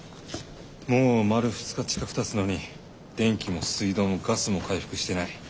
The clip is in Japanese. もう丸２日近くたつのに電気も水道もガスも回復してない。